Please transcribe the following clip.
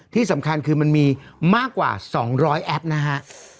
ที่สำคัญคือมันมีมากกว่า๒๐๐แอปนะฮะ